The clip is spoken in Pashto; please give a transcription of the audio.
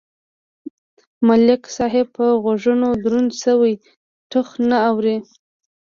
ملک صاحب په غوږونو دروند شوی ټخ نه اوري.